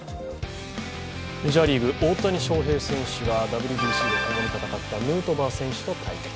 メジャーリーグ大谷翔平選手がＷＢＣでともに戦ったヌートバー選手と対決。